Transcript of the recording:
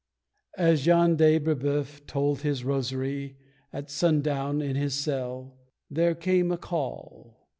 As Jean de Breboeuf told his rosary At sundown in his cell, there came a call!